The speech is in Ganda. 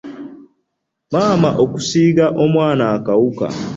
Maama okusiiga omwana akawuka.